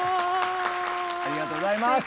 ありがとうございます。